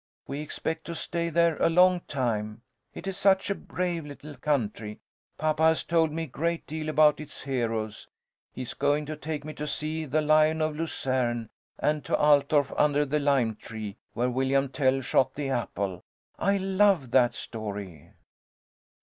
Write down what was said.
We expect to stay there a long time. It is such a brave little country. Papa has told me a great deal about its heroes. He is going to take me to see the Lion of Lucerne, and to Altdorf, under the lime tree, where William Tell shot the apple. I love that story."